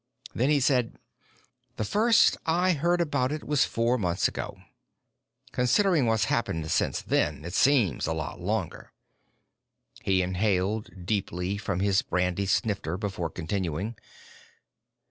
Then he said: "The first I heard about it was four months ago. Considering what's happened since then, it seems a lot longer." He inhaled deeply from his brandy snifter before continuing.